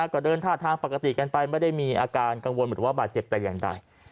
ก็เดินท่าทางปกติกันไปไม่ได้มีอาการกังวลหรือว่าบาดเจ็บแต่อย่างใด